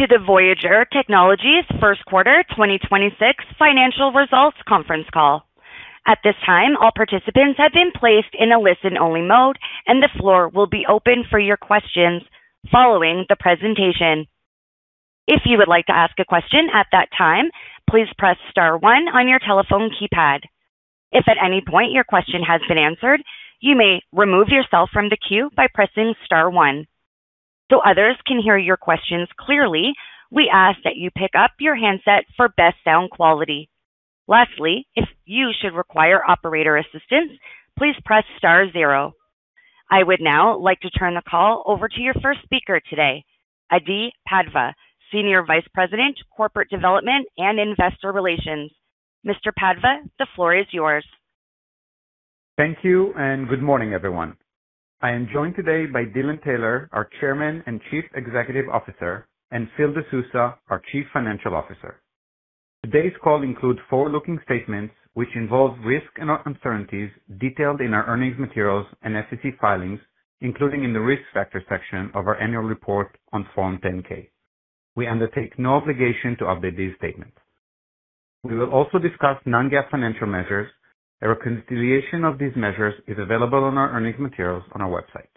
Welcome to the Voyager Technologies First Quarter 2026 Financial Results Conference Call. At this time, all participants have been placed in a listen-only mode, and the floor will be open for your questions following the presentation. If you would like to ask a question at that time, please press star one on your telephone keypad. If at any point your question has been answered, you may remove yourself from the queue by pressing star one. Others can hear your questions clearly, we ask that you pick up your handset for best sound quality. Lastly, if you should require operator assistance, please press star zero. I would now like to turn the call over to your first speaker today, Adi Padva, Senior Vice President, Corporate Development and Investor Relations. Mr. Adi Padva, the floor is yours. Thank you, and good morning, everyone. I am joined today by Dylan Taylor, our Chairman and Chief Executive Officer, and Phil De Sousa, our Chief Financial Officer. Today's call includes forward-looking statements, which involve risks and uncertainties detailed in our earnings materials and SEC filings, including in the Risk Factors section of our annual report on Form 10-K. We undertake no obligation to update these statements. We will also discuss non-GAAP financial measures. A reconciliation of these measures is available on our earnings materials on our website.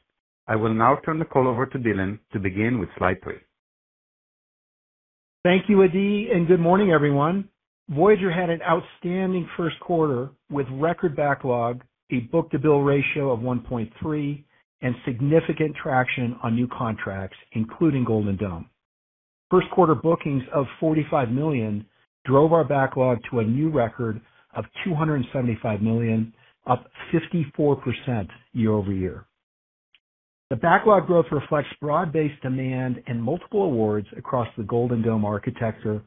I will now turn the call over to Dylan to begin with slide three. Thank you, Adi. Good morning, everyone. Voyager had an outstanding first quarter with record backlog, a book-to-bill ratio of 1.3, and significant traction on new contracts, including Golden Dome. First quarter bookings of $45 million drove our backlog to a new record of $275 million, up 54% year-over-year. The backlog growth reflects broad-based demand and multiple awards across the Golden Dome architecture,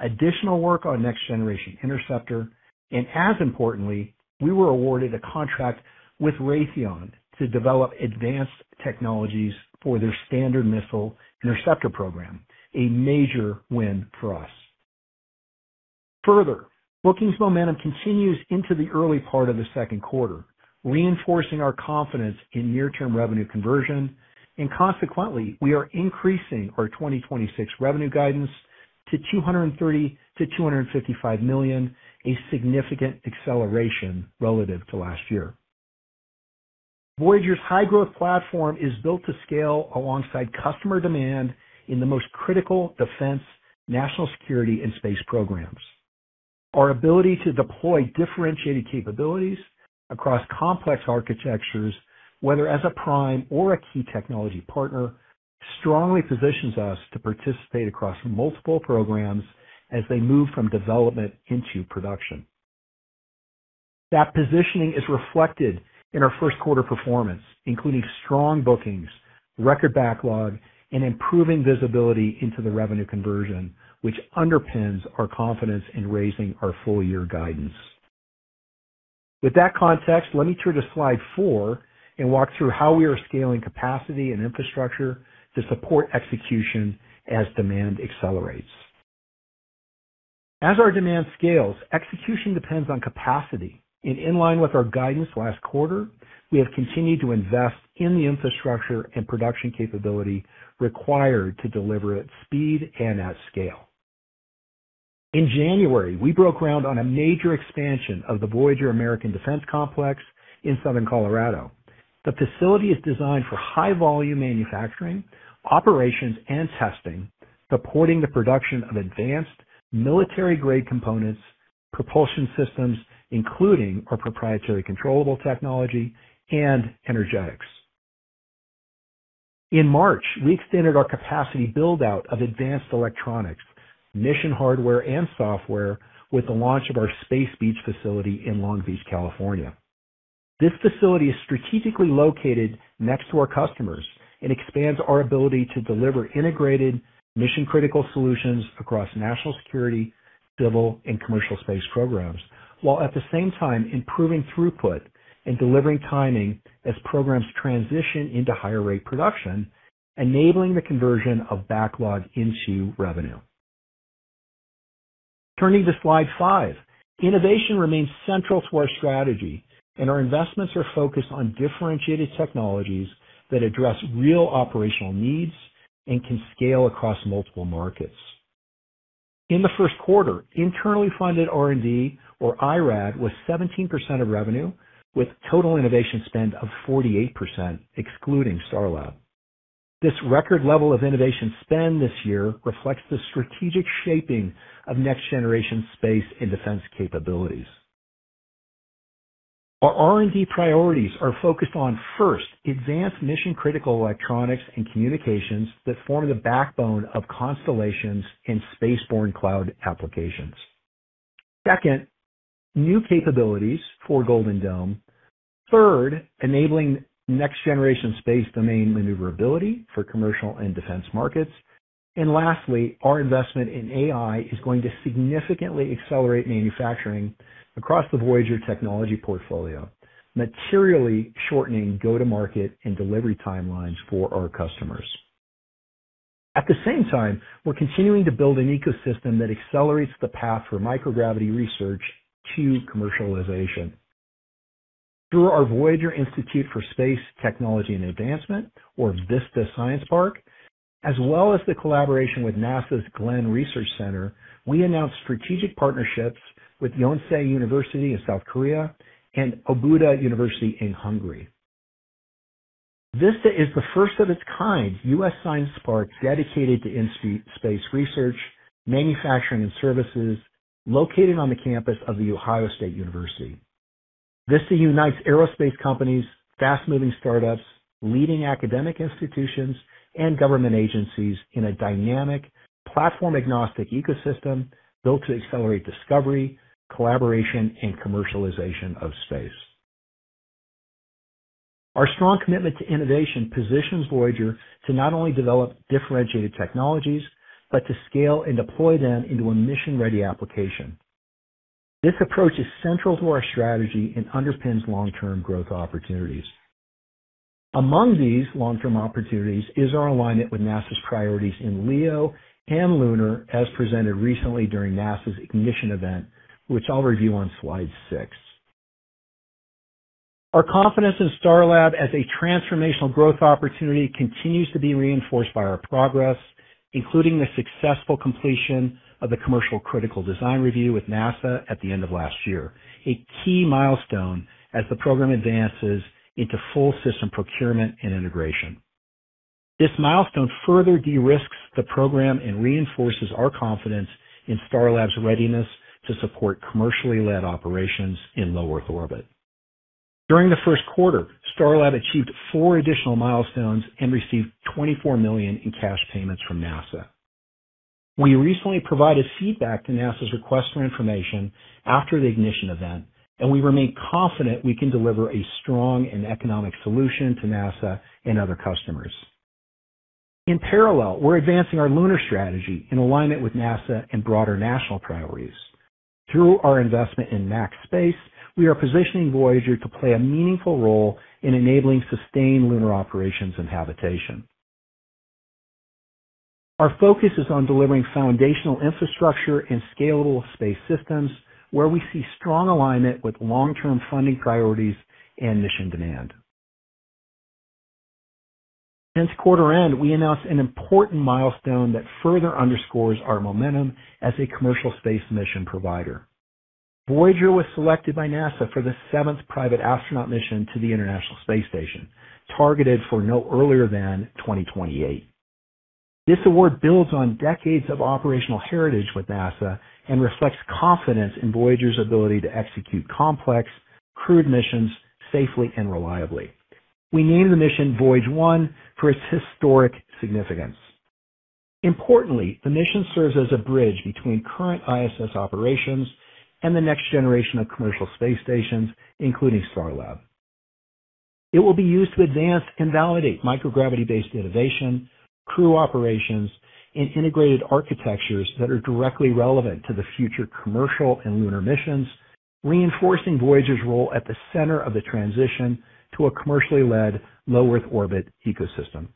additional work on Next Generation Interceptor, and as importantly, we were awarded a contract with Raytheon to develop advanced technologies for their Standard Missile interceptor program, a major win for us. Bookings momentum continues into the early part of the second quarter, reinforcing our confidence in near-term revenue conversion. Consequently, we are increasing our 2026 revenue guidance to $230 million-$255 million, a significant acceleration relative to last year. Voyager's high-growth platform is built to scale alongside customer demand in the most critical defense, national security, and space programs. Our ability to deploy differentiated capabilities across complex architectures, whether as a prime or a key technology partner, strongly positions us to participate across multiple programs as they move from development into production. That positioning is reflected in our first quarter performance, including strong bookings, record backlog, and improving visibility into the revenue conversion, which underpins our confidence in raising our full year guidance. With that context, let me turn to slide 4 and walk through how we are scaling capacity and infrastructure to support execution as demand accelerates. In line with our guidance last quarter, we have continued to invest in the infrastructure and production capability required to deliver at speed and at scale. In January, we broke ground on a major expansion of the Voyager American Defense Complex in Southern Colorado. The facility is designed for high volume manufacturing, operations, and testing, supporting the production of advanced military-grade components, propulsion systems, including our proprietary controllable technology and energetics. In March, we extended our capacity build-out of advanced electronics, mission hardware, and software with the launch of our Space Beach facility in Long Beach, California. This facility is strategically located next to our customers and expands our ability to deliver integrated mission-critical solutions across national security, civil, and commercial space programs, while at the same time improving throughput and delivering timing as programs transition into higher rate production, enabling the conversion of backlog into revenue. Turning to slide five. Innovation remains central to our strategy, and our investments are focused on differentiated technologies that address real operational needs and can scale across multiple markets. In the first quarter, internally funded R&D or IRAD was 17% of revenue, with total innovation spend of 48%, excluding Starlab. This record level of innovation spend this year reflects the strategic shaping of next-generation space and defense capabilities. Our R&D priorities are focused on, first, advanced mission-critical electronics and communications that form the backbone of constellations and spaceborne cloud applications. Second, new capabilities for Golden Dome. Third, enabling next-generation space domain maneuverability for commercial and defense markets. Lastly, our investment in AI is going to significantly accelerate manufacturing across the Voyager Technologies portfolio, materially shortening go-to-market and delivery timelines for our customers. At the same time, we're continuing to build an ecosystem that accelerates the path for microgravity research to commercialization. Through our Voyager Institute for Space, Technology and Advancement, or VISTA Science Park, as well as the collaboration with NASA's Glenn Research Center, we announced strategic partnerships with Yonsei University in South Korea and Óbuda University in Hungary. Vista is the first of its kind U.S. science park dedicated to in-space research, manufacturing and services located on the campus of The Ohio State University. Vista unites aerospace companies, fast-moving startups, leading academic institutions, and government agencies in a dynamic, platform-agnostic ecosystem built to accelerate discovery, collaboration, and commercialization of space. Our strong commitment to innovation positions Voyager to not only develop differentiated technologies, but to scale and deploy them into a mission-ready application. This approach is central to our strategy and underpins long-term growth opportunities. Among these long-term opportunities is our alignment with NASA's priorities in LEO and Lunar, as presented recently during NASA's Ignition event, which I'll review on slide six. Our confidence in Starlab as a transformational growth opportunity continues to be reinforced by our progress, including the successful completion of the commercial critical design review with NASA at the end of last year, a key milestone as the program advances into full system procurement and integration. This milestone further de-risks the program and reinforces our confidence in Starlab's readiness to support commercially led operations in low Earth orbit. During the first quarter, Starlab achieved four additional milestones and received $24 million in cash payments from NASA. We recently provided feedback to NASA's request for information after the Ignition event, and we remain confident we can deliver a strong and economic solution to NASA and other customers. In parallel, we're advancing our lunar strategy in alignment with NASA and broader national priorities. Through our investment in Max Space, we are positioning Voyager to play a meaningful role in enabling sustained lunar operations and habitation. Our focus is on delivering foundational infrastructure and scalable space systems where we see strong alignment with long-term funding priorities and mission demand. Since quarter end, we announced an important milestone that further underscores our momentum as a commercial space mission provider. Voyager was selected by NASA for the seventh Private Astronaut Mission to the International Space Station, targeted for no earlier than 2028. This award builds on decades of operational heritage with NASA and reflects confidence in Voyager's ability to execute complex crewed missions safely and reliably. We named the mission Voyage One for its historic significance. Importantly, the mission serves as a bridge between current ISS operations and the next generation of commercial space stations, including Starlab. It will be used to advance and validate microgravity-based innovation, crew operations, and integrated architectures that are directly relevant to the future commercial and lunar missions, reinforcing Voyager's role at the center of the transition to a commercially led low Earth orbit ecosystem.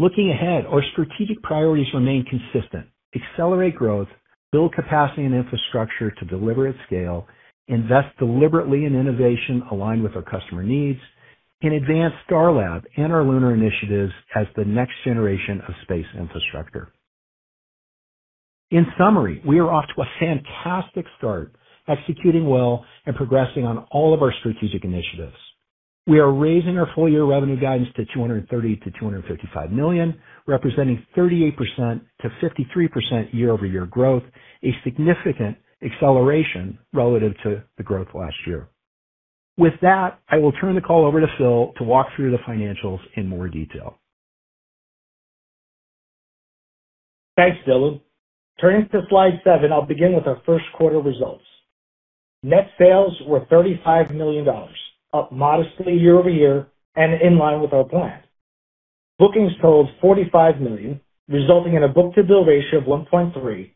Looking ahead, our strategic priorities remain consistent. Accelerate growth, build capacity and infrastructure to deliver at scale, invest deliberately in innovation aligned with our customer needs, and advance Starlab and our lunar initiatives as the next generation of space infrastructure. In summary, we are off to a fantastic start, executing well and progressing on all of our strategic initiatives. We are raising our full year revenue guidance to $230 million-$255 million, representing 38%-53% year-over-year growth, a significant acceleration relative to the growth last year. With that, I will turn the call over to Phil to walk through the financials in more detail. Thanks, Dylan. Turning to slide seven, I'll begin with our first quarter results. Net sales were $35 million, up modestly year-over-year and in line with our plan. Bookings totaled $45 million, resulting in a book-to-bill ratio of 1.3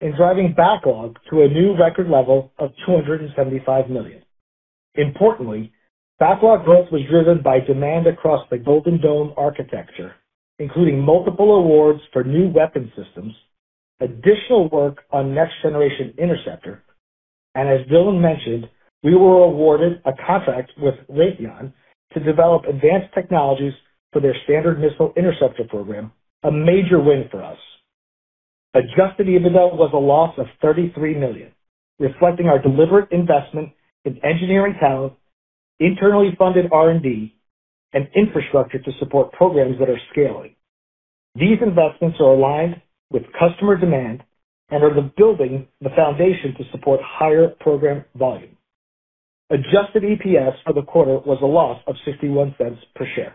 and driving backlog to a new record level of $275 million. Importantly, backlog growth was driven by demand across the Golden Dome architecture, including multiple awards for new weapon systems, additional work on Next Generation Interceptor, and as Dylan mentioned, we were awarded a contract with Raytheon to develop advanced technologies for their Standard Missile interceptor program, a major win for us. Adjusted EBITDA was a loss of $33 million, reflecting our deliberate investment in engineering talent, internally funded R&D, and infrastructure to support programs that are scaling. These investments are aligned with customer demand and are the building the foundation to support higher program volume. Adjusted EPS for the quarter was a loss of $0.61 per share.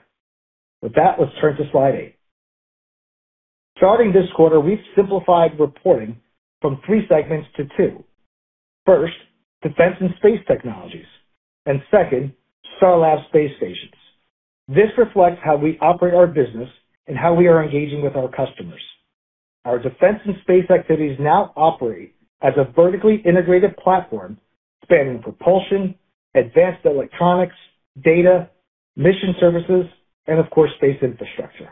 With that, let's turn to slide eight. Starting this quarter, we've simplified reporting from three segments to two. First, Defense and Space Technologies, and second, Starlab space stations. This reflects how we operate our business and how we are engaging with our customers. Our defense and space activities now operate as a vertically integrated platform spanning propulsion, advanced electronics, data, mission services, and of course, space infrastructure.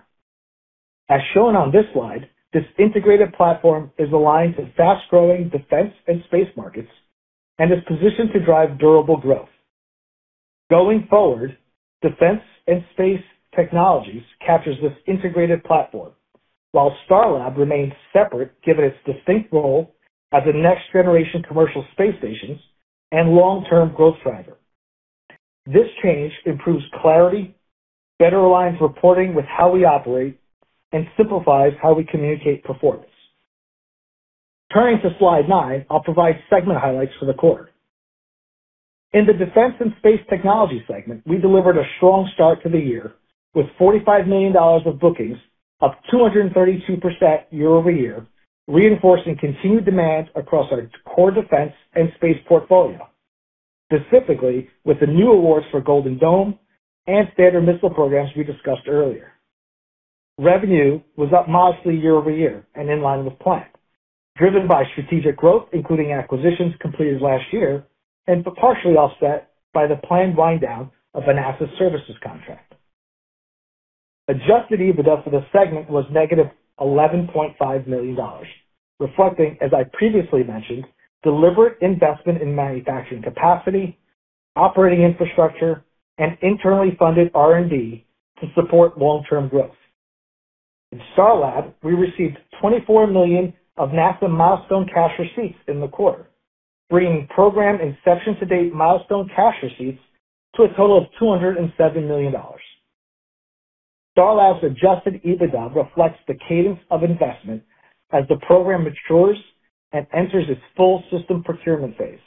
As shown on this slide, this integrated platform is aligned to fast-growing defense and space markets and is positioned to drive durable growth. Going forward, Defense and Space Technologies captures this integrated platform, while Starlab remains separate, given its distinct role as a next-generation commercial space station and long-term growth driver. This change improves clarity, better aligns reporting with how we operate, and simplifies how we communicate performance. Turning to slide 9, I'll provide segment highlights for the quarter. In the Defense and Space Technologies segment, we delivered a strong start to the year with $45 million of bookings, up 232% year-over-year, reinforcing continued demand across our core defense and space portfolio. Specifically, with the new awards for Golden Dome and Standard Missile programs we discussed earlier. Revenue was up modestly year-over-year and in line with plan, driven by strategic growth, including acquisitions completed last year, and partially offset by the planned wind down of a NASA services contract. Adjusted EBITDA for the segment was negative $11.5 million, reflecting, as I previously mentioned, deliberate investment in manufacturing capacity, operating infrastructure, and internally funded R&D to support long-term growth. In Starlab, we received $24 million of NASA milestone cash receipts in the quarter, bringing program inception to date milestone cash receipts to a total of $207 million. Starlab's adjusted EBITDA reflects the cadence of investment as the program matures and enters its full system procurement phase.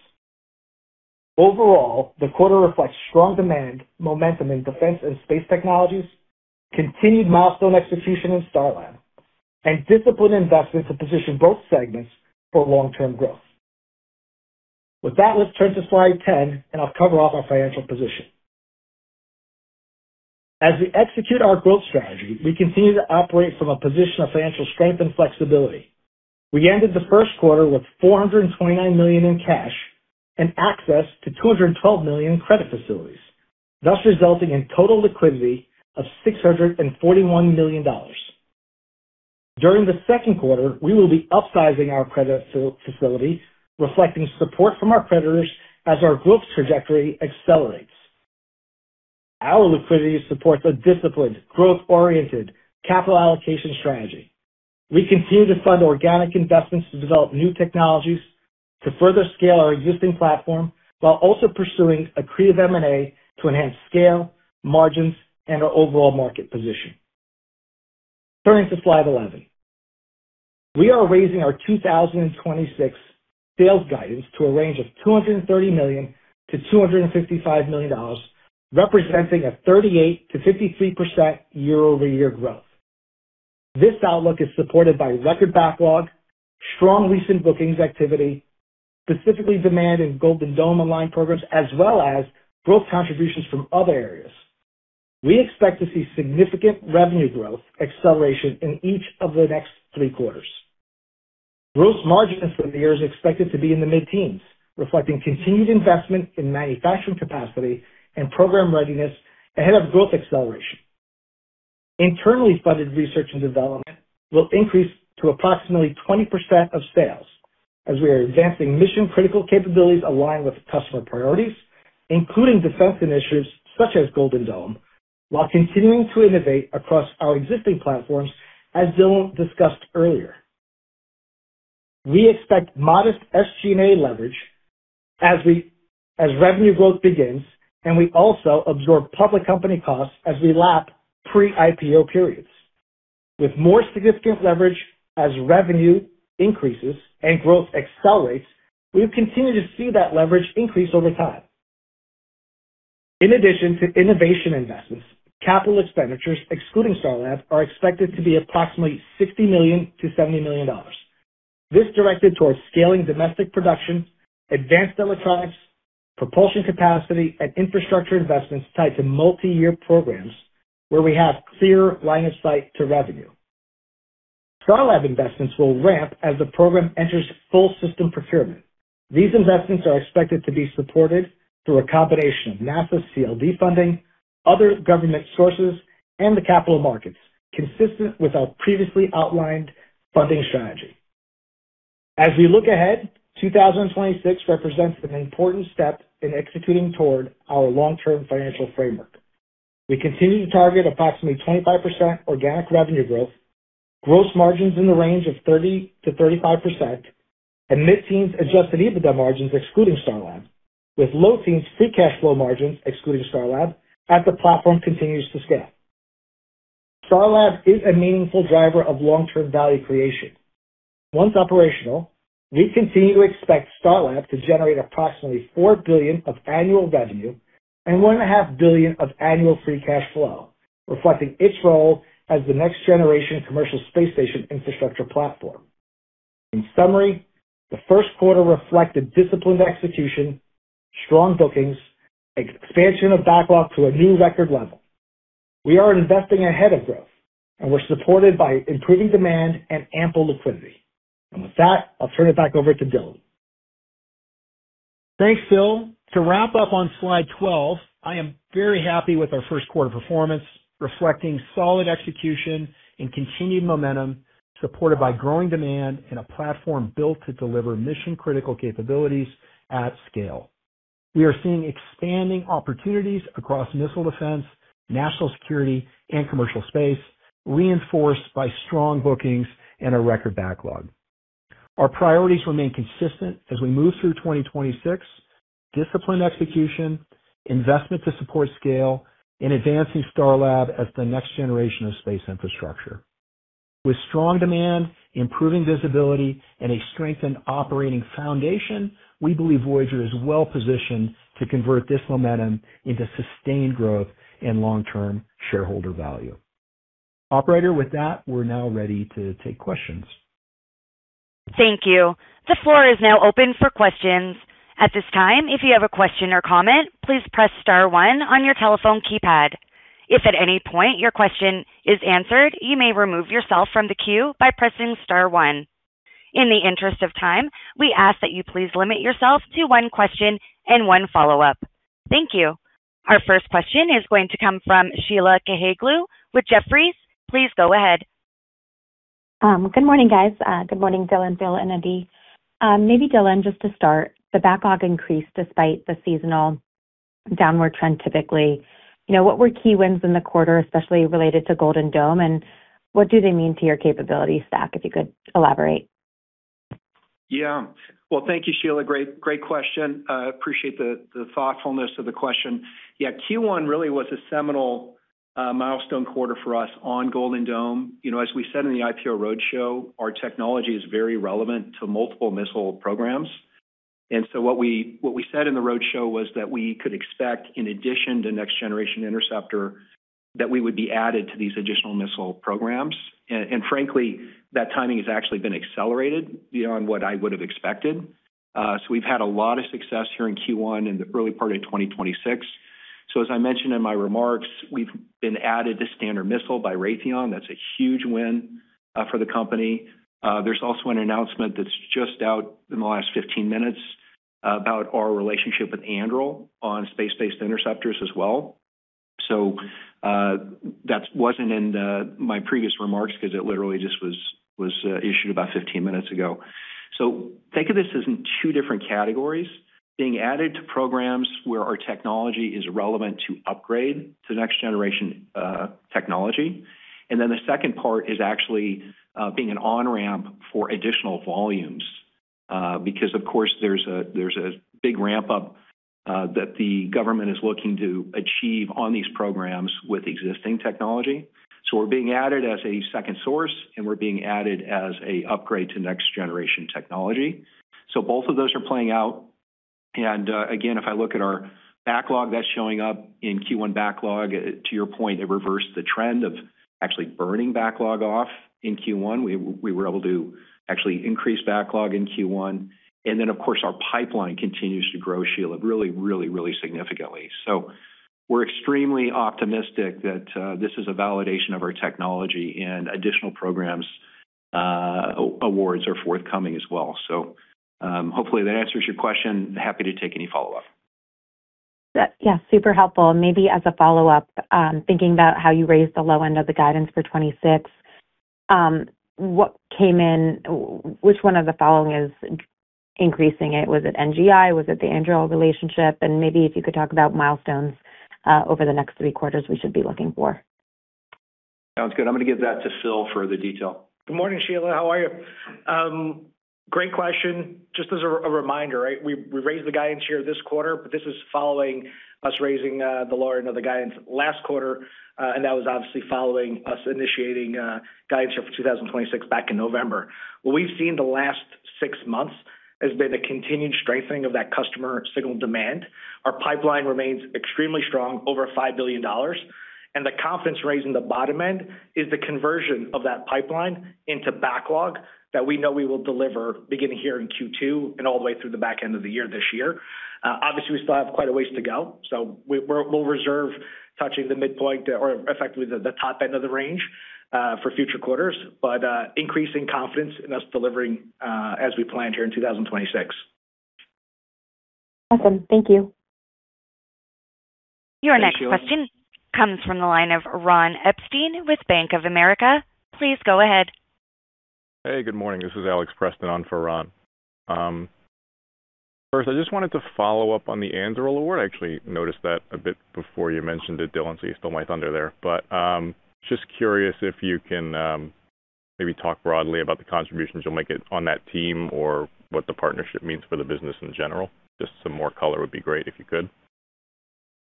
Overall, the quarter reflects strong demand, momentum in defense and space technologies, continued milestone execution in Starlab, and disciplined investment to position both segments for long-term growth. With that, let's turn to slide 10, and I'll cover off our financial position. As we execute our growth strategy, we continue to operate from a position of financial strength and flexibility. We ended the first quarter with $429 million in cash and access to $212 million in credit facilities, thus resulting in total liquidity of $641 million. During the second quarter, we will be upsizing our credit facility, reflecting support from our creditors as our growth trajectory accelerates. Our liquidity supports a disciplined, growth-oriented capital allocation strategy. We continue to fund organic investments to develop new technologies to further scale our existing platform while also pursuing accretive M&A to enhance scale, margins, and our overall market position. Turning to slide 11. We are raising our 2026 sales guidance to a range of $230 million-$255 million, representing a 38%-53% year-over-year growth. This outlook is supported by record backlog, strong recent bookings activity, specifically demand in Golden Dome aligned programs as well as growth contributions from other areas. We expect to see significant revenue growth acceleration in each of the next three quarters. Gross margin for the year is expected to be in the mid-teens, reflecting continued investment in manufacturing capacity and program readiness ahead of growth acceleration. Internally funded research and development will increase to approximately 20% of sales as we are advancing mission-critical capabilities aligned with customer priorities, including defense initiatives such as Golden Dome, while continuing to innovate across our existing platforms, as Dylan discussed earlier. We expect modest SG&A leverage as revenue growth begins. We also absorb public company costs as we lap pre-IPO periods. With more significant leverage as revenue increases and growth accelerates, we continue to see that leverage increase over time. In addition to innovation investments, capital expenditures, excluding Starlab, are expected to be approximately $60 million-$70 million. This directed towards scaling domestic production, advanced electronics, propulsion capacity, and infrastructure investments tied to multi-year programs where we have clear line of sight to revenue. Starlab investments will ramp as the program enters full system procurement. These investments are expected to be supported through a combination of NASA CLD funding, other government sources, and the capital markets, consistent with our previously outlined funding strategy. As we look ahead, 2026 represents an important step in executing toward our long-term financial framework. We continue to target approximately 25% organic revenue growth, gross margins in the range of 30%-35% and mid-teens adjusted EBITDA margins excluding Starlab, with low teens free cash flow margins excluding Starlab as the platform continues to scale. Starlab is a meaningful driver of long-term value creation. Once operational, we continue to expect Starlab to generate approximately $4 billion of annual revenue and $1.5 billion of annual free cash flow, reflecting its role as the next generation commercial space station infrastructure platform. In summary, the first quarter reflected disciplined execution, strong bookings, expansion of backlog to a new record level. We are investing ahead of growth, we're supported by improving demand and ample liquidity. With that, I'll turn it back over to Dylan. Thanks, Phil. To wrap up on slide 12, I am very happy with our first quarter performance, reflecting solid execution and continued momentum, supported by growing demand and a platform built to deliver mission-critical capabilities at scale. We are seeing expanding opportunities across missile defense, national security, and commercial space, reinforced by strong bookings and a record backlog. Our priorities remain consistent as we move through 2026: disciplined execution, investment to support scale, and advancing Starlab as the next generation of space infrastructure. With strong demand, improving visibility, and a strengthened operating foundation, we believe Voyager is well-positioned to convert this momentum into sustained growth and long-term shareholder value. Operator, with that, we're now ready to take questions. Thank you. The floor is now open for questions. In the interest of time, we ask that you please limit yourself to one question and one follow-up. Thank you. Our first question is going to come from Sheila Kahyaoglu with Jefferies. Please go ahead. Good morning, guys. Good morning Dylan, Phil, and Adi. Maybe Dylan, just to start, the backlog increased despite the seasonal downward trend typically. You know, what were key wins in the quarter, especially related to Golden Dome, and what do they mean to your capability stack, if you could elaborate? Well, thank you, Sheila. Great, great question. Appreciate the thoughtfulness of the question. Q1 really was a seminal milestone quarter for us on Golden Dome. You know, as we said in the IPO roadshow, our technology is very relevant to multiple missile programs. What we said in the roadshow was that we could expect, in addition to Next Generation Interceptor, that we would be added to these additional missile programs. Frankly, that timing has actually been accelerated beyond what I would have expected. We've had a lot of success here in Q1 in the early part of 2026. As I mentioned in my remarks, we've been added to Standard Missile by Raytheon. That's a huge win for the company. There's also an announcement that's just out in the last 15 minutes about our relationship with Anduril on space-based interceptors as well. That wasn't in the, my previous remarks because it literally just was issued about 15 minutes ago. Think of this as in two different categories: being added to programs where our technology is relevant to upgrade to next generation technology. The second part is actually being an on-ramp for additional volumes because of course, there's a big ramp up that the government is looking to achieve on these programs with existing technology. We're being added as a second source, and we're being added as a upgrade to next generation technology. Both of those are playing out. Again, if I look at our backlog that's showing up in Q1 backlog, to your point, it reversed the trend of actually burning backlog off in Q1. We were able to actually increase backlog in Q1. Of course, our pipeline continues to grow, Sheila, really significantly. We're extremely optimistic that this is a validation of our technology and additional programs' awards are forthcoming as well. Hopefully, that answers your question. Happy to take any follow-up. Yeah, super helpful. Maybe as a follow-up, thinking about how you raised the low end of the guidance for 26, which one of the following is increasing it? Was it NGI? Was it the Anduril relationship? Maybe if you could talk about milestones over the next three quarters we should be looking for. Sounds good. I'm gonna give that to Phil for the detail. Good morning, Sheila. How are you? Great question. Just as a reminder, right? We raised the guidance here this quarter, but this is following us raising the lower end of the guidance last quarter, and that was obviously following us initiating guidance here for 2026 back in November. What we've seen the last six months has been the continued strengthening of that customer signal demand. Our pipeline remains extremely strong, over $5 billion. The confidence raise in the bottom end is the conversion of that pipeline into backlog that we know we will deliver beginning here in Q2 and all the way through the back end of the year this year. Obviously, we still have quite a ways to go, so we'll reserve touching the midpoint or effectively the top end of the range for future quarters, but increasing confidence in us delivering as we planned here in 2026. Awesome. Thank you. Your next question comes from the line of Ronald Epstein with Bank of America. Please go ahead. Hey, good morning. This is Alex Preston on for Ronald. First, I just wanted to follow up on the Anduril award. I actually noticed that a bit before you mentioned it, Dylan, so you stole my thunder there. Just curious if you can maybe talk broadly about the contributions you'll make it on that team or what the partnership means for the business in general. Just some more color would be great if you could.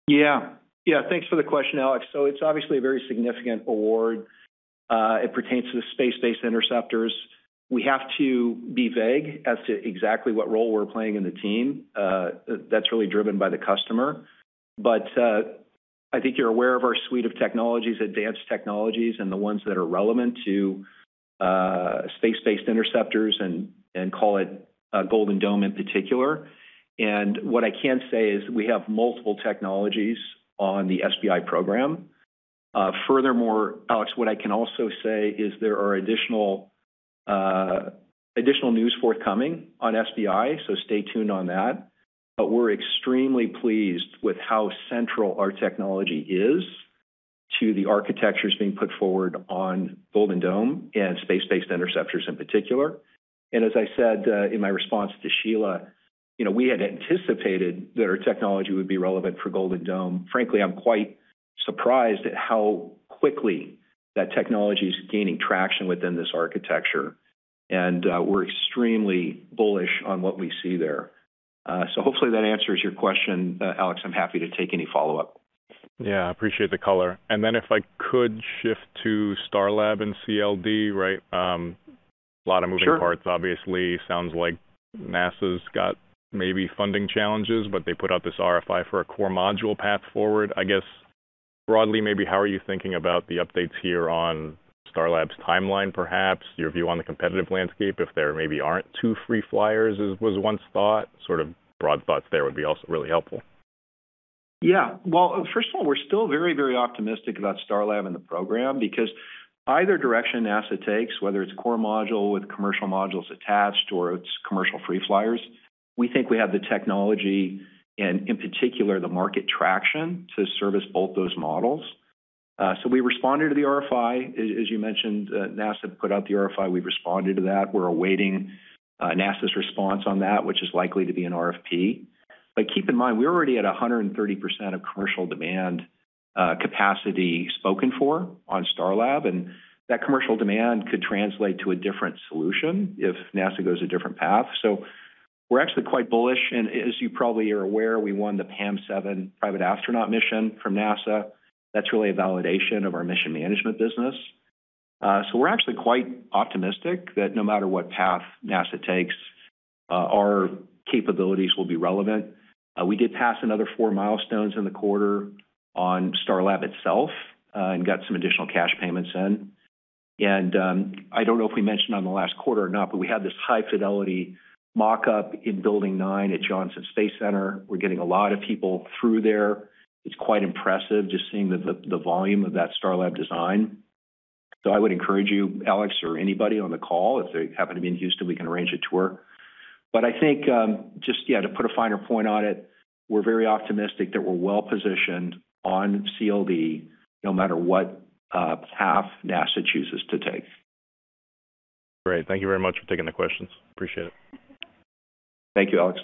Yeah. Yeah. Thanks for the question, Alex. It's obviously a very significant award. It pertains to the space-based interceptors. We have to be vague as to exactly what role we're playing in the team. That's really driven by the customer. I think you're aware of our suite of technologies, advanced technologies, and the ones that are relevant to space-based interceptors and call it Golden Dome in particular. What I can say is we have multiple technologies on the SBI program. Furthermore, Alex, what I can also say is there are additional news forthcoming on SBI, stay tuned on that. We're extremely pleased with how central our technology is to the architectures being put forward on Golden Dome and space-based interceptors in particular. As I said, in my response to Sheila, you know, we had anticipated that our technology would be relevant for Golden Dome. Frankly, I'm quite surprised at how quickly that technology is gaining traction within this architecture, and we're extremely bullish on what we see there. Hopefully that answers your question, Alex. I'm happy to take any follow-up. Yeah, appreciate the color. Then if I could shift to Starlab and CLD, right? Sure parts, obviously. Sounds like NASA's got maybe funding challenges, but they put out this RFI for a core module path forward. I guess, broadly maybe, how are you thinking about the updates here on Starlab's timeline, perhaps, your view on the competitive landscape, if there maybe aren't two free flyers as was once thought? Sort of broad thoughts there would be also really helpful. Well, first of all, we're still very, very optimistic about Starlab and the program because either direction NASA takes, whether it's core module with commercial modules attached or it's commercial free flyers, we think we have the technology and, in particular, the market traction to service both those models. We responded to the RFI. As you mentioned, NASA put out the RFI, we responded to that. We're awaiting NASA's response on that, which is likely to be an RFP. Keep in mind, we're already at 130% of commercial demand capacity spoken for on Starlab, and that commercial demand could translate to a different solution if NASA goes a different path. We're actually quite bullish, and as you probably are aware, we won the PAM-7 private astronaut mission from NASA. That's really a validation of our mission management business. We're actually quite optimistic that no matter what path NASA takes, our capabilities will be relevant. We did pass another four milestones in the quarter on Starlab itself, and got some additional cash payments in. I don't know if we mentioned on the last quarter or not, but we had this high-fidelity mock-up in Building 9 at Johnson Space Center. We're getting a lot of people through there. It's quite impressive just seeing the volume of that Starlab design. I would encourage you, Alex, or anybody on the call, if they happen to be in Houston, we can arrange a tour. I think, just to put a finer point on it, we're very optimistic that we're well-positioned on CLD no matter what path NASA chooses to take. Great. Thank you very much for taking the questions. Appreciate it. Thank you, Alex.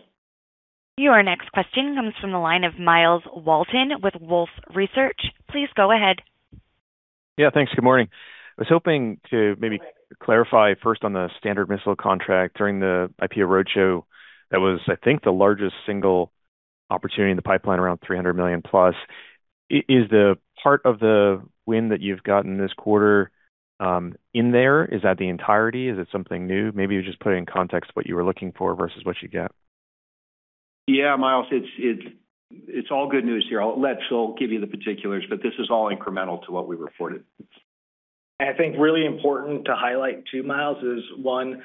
Your next question comes from the line of Myles Walton with Wolfe Research. Please go ahead. Yeah. Thanks. Good morning. I was hoping to maybe clarify first on the Standard Missile contract during the IPO roadshow. That was, I think, the largest single opportunity in the pipeline, around $300 million-plus. Is the part of the win that you've gotten this quarter in there? Is that the entirety? Is it something new? Maybe just put it in context what you were looking for versus what you get. Yeah, Myles. It's all good news here. I'll let Phil give you the particulars, but this is all incremental to what we reported. I think really important to highlight too, Myles, is one,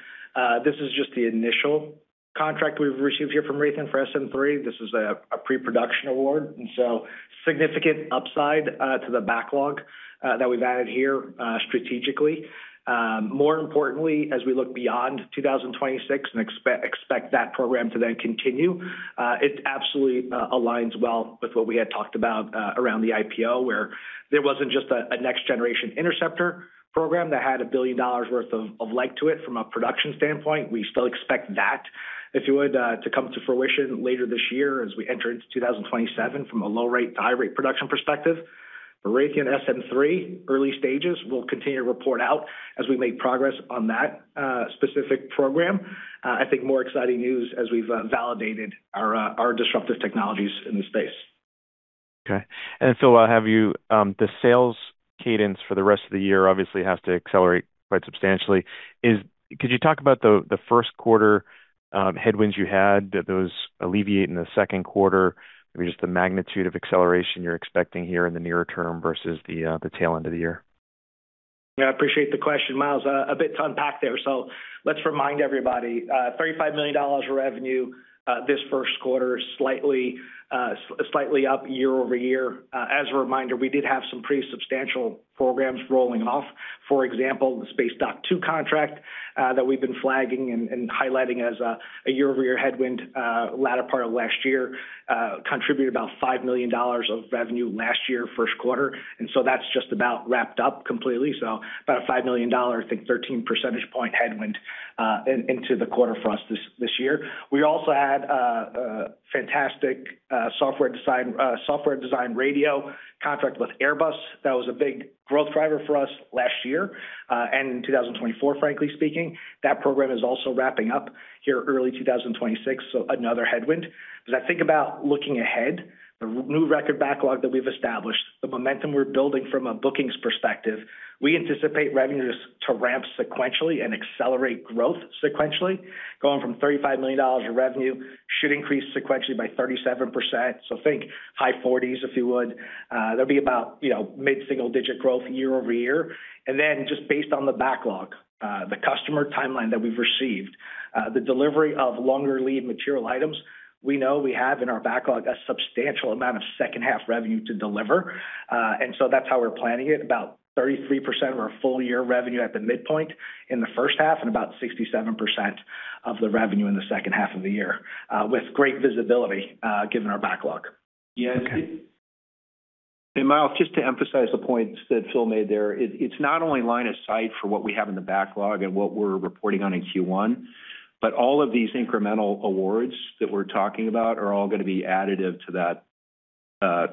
this is just the initial contract we've received here from Raytheon for SM-3. This is a pre-production award, so significant upside to the backlog that we've added here strategically. More importantly, as we look beyond 2026 and expect that program to then continue, it absolutely aligns well with what we had talked about around the IPO, where there wasn't just a Next Generation Interceptor program that had $1 billion worth of leg to it from a production standpoint. We still expect that, if you would, to come to fruition later this year as we enter into 2027 from a low-rate to high-rate production perspective. Raytheon SM-3, early stages. We'll continue to report out as we make progress on that specific program. I think more exciting news as we've validated our disruptive technologies in the space. Okay. Phil, while I have you, the sales cadence for the rest of the year obviously has to accelerate quite substantially. Could you talk about the first quarter headwinds you had, did those alleviate in the second quarter? Maybe just the magnitude of acceleration you're expecting here in the near term versus the tail end of the year. Yeah, appreciate the question, Myles. A bit to unpack there. Let's remind everybody, $35 million of revenue this first quarter, slightly up year-over-year. As a reminder, we did have some pretty substantial programs rolling off. For example, the SpaceDock II contract that we've been flagging and highlighting as a year-over-year headwind latter part of last year, contributed about $5 million of revenue last year, first quarter. That's just about wrapped up completely. About a $5 million, I think 13 percentage point headwind into the quarter for us this year. We also had a fantastic software design radio contract with Airbus. That was a big growth driver for us last year and in 2024, frankly speaking. That program is also wrapping up here early 2026, another headwind. I think about looking ahead, the new record backlog that we've established, the momentum we're building from a bookings perspective, we anticipate revenues to ramp sequentially and accelerate growth sequentially. Going from $35 million of revenue should increase sequentially by 37%. Think high 40s, if you would. That'd be about, you know, mid-single digit growth year-over-year. Just based on the backlog, the customer timeline that we've received, the delivery of longer lead material items, we know we have in our backlog a substantial amount of second half revenue to deliver. That's how we're planning it, about 33% of our full year revenue at the midpoint in the first half and about 67% of the revenue in the second half of the year, with great visibility, given our backlog. Yeah. Okay. Myles, just to emphasize the points that Phil made there, it's not only line of sight for what we have in the backlog and what we're reporting on in Q1, all of these incremental awards that we're talking about are all gonna be additive to that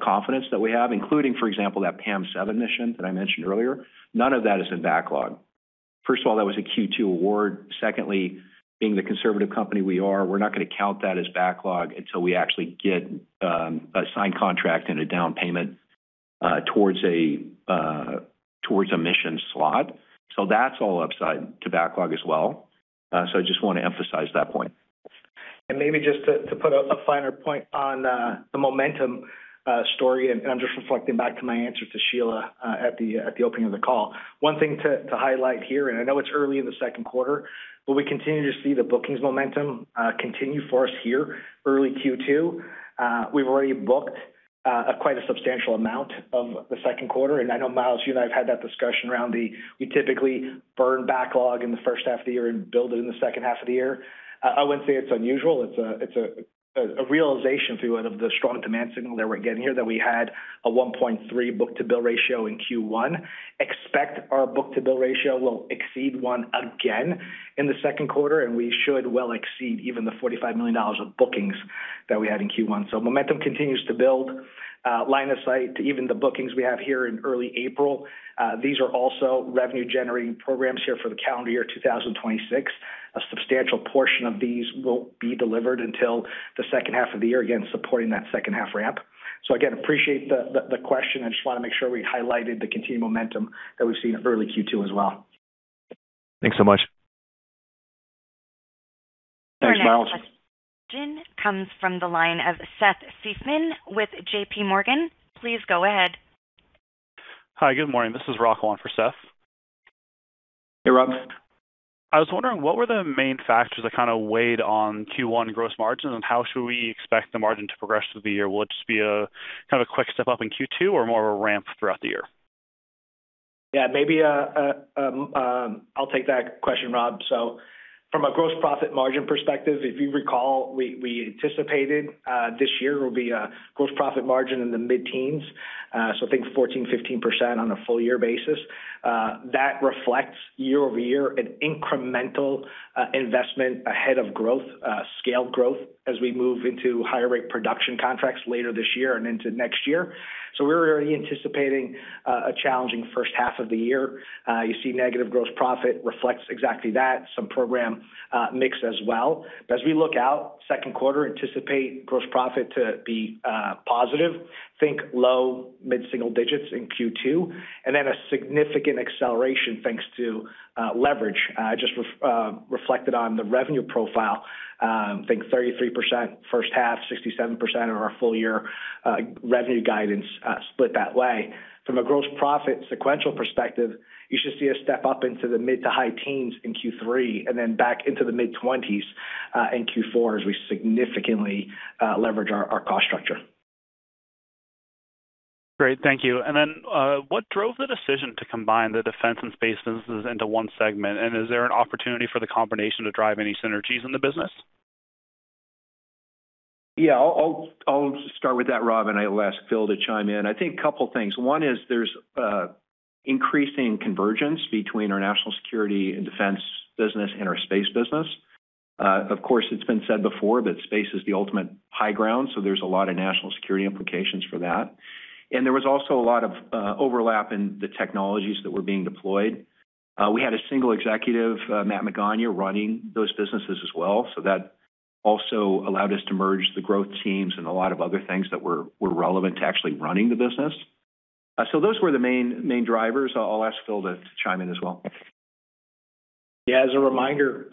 confidence that we have including, for example, that PAM-7 mission that I mentioned earlier. None of that is in backlog. First of all, that was a Q2 award. Secondly, being the conservative company we are, we're not gonna count that as backlog until we actually get a signed contract and a down payment towards a mission slot. That's all upside to backlog as well. I just wanna emphasize that point. Maybe just to put a finer point on the momentum story, I'm just reflecting back to my answer to Sheila at the opening of the call. One thing to highlight here, I know it's early in the second quarter, we continue to see the bookings momentum continue for us here early Q2. We've already booked quite a substantial amount of the second quarter. I know, Miles, you and I have had that discussion around we typically burn backlog in the first half of the year and build it in the second half of the year. I wouldn't say it's unusual. It's a realization if you will, of the strong demand signal that we're getting here, that we had a 1.3 book-to-bill ratio in Q1. Expect our book-to-bill ratio will exceed one again in the second quarter. We should well exceed even the $45 million of bookings that we had in Q1. Momentum continues to build. Line of sight, even the bookings we have here in early April, these are also revenue generating programs here for the calendar year 2026. A substantial portion of these won't be delivered until the second half of the year, again, supporting that second half ramp. Again, appreciate the question. I just wanna make sure we highlighted the continued momentum that we've seen early Q2 as well. Thanks so much. Thanks, Myles. Your next question comes from the line of Seth Seifman with JPMorgan. Please go ahead. Hi, good morning. This is Rob on for Seth. Hey, Rob. I was wondering what were the main factors that kind of weighed on Q1 gross margins, and how should we expect the margin to progress through the year? Will it just be a kind of a quick step up in Q2 or more of a ramp throughout the year? I'll take that question, Rob. From a gross profit margin perspective, if you recall, we anticipated this year will be a gross profit margin in the mid-teens. I think 14%, 15% on a full year basis. That reflects year-over-year an incremental investment ahead of growth, scale growth as we move into higher rate production contracts later this year and into next year. We're already anticipating a challenging first half of the year. You see negative gross profit reflects exactly that, some program mix as well. As we look out second quarter, anticipate gross profit to be positive. Think low mid-single digits in Q2, a significant acceleration thanks to leverage just reflected on the revenue profile. I think 33% first half, 67% of our full year, revenue guidance, split that way. From a gross profit sequential perspective, you should see a step up into the mid-to-high teens in Q3 and then back into the mid-20s in Q4 as we significantly leverage our cost structure. Great. Thank you. Then, what drove the decision to combine the defense and space businesses into one segment? Is there an opportunity for the combination to drive any synergies in the business? I'll start with that, Rob, I will ask Phil to chime in. I think couple things. One is there's increasing convergence between our national security and defense business and our space business. Of course, it's been said before that space is the ultimate high ground, there's a lot of national security implications for that. There was also a lot of overlap in the technologies that were being deployed. We had a single executive, Matt Magaña, running those businesses as well. That also allowed us to merge the growth teams and a lot of other things that were relevant to actually running the business. Those were the main drivers. I'll ask Phil to chime in as well. Yeah. As a reminder,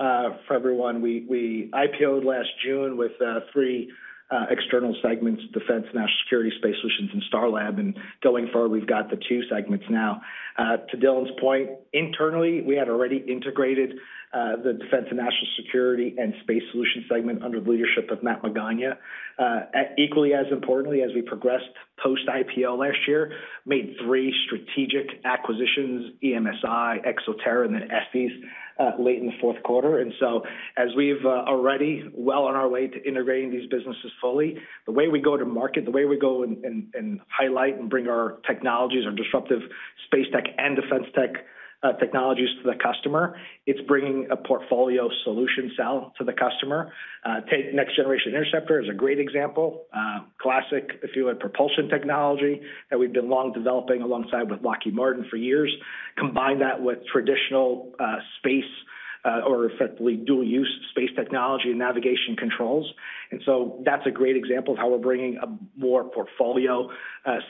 for everyone, we IPO'd last June with three external segments: Defense, National Security, Space Solutions, and Starlab. Going forward, we've got the two segments now. To Dylan's point, internally, we had already integrated the Defense and National Security and Space Solutions segment under the leadership of Matt Magaña. Equally as importantly, as we progressed post-IPO last year, made three strategic acquisitions, EMSI, ExoTerra Resources, and Este Energeticss, late in the fourth quarter. As we've already well on our way to integrating these businesses fully, the way we go to market, the way we go and highlight and bring our technologies, our disruptive space tech and defense tech technologies to the customer, it's bringing a portfolio solution sell to the customer. Take Next Generation Interceptor is a great example. Classic, if you will, propulsion technology that we've been long developing alongside with Lockheed Martin for years. Combine that with traditional space, or effectively dual use space technology and navigation controls. That's a great example of how we're bringing a more portfolio